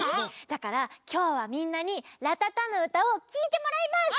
だからきょうはみんなに「らたたのうた」をきいてもらいます！